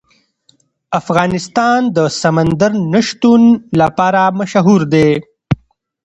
افغانستان د سمندر نه شتون لپاره مشهور دی.